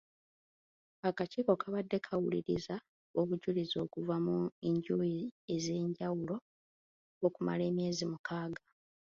Akakiiko kabadde kawulira obujulizi okuva mu njuyi ez’enjawulo okumala emyezi mukaaga.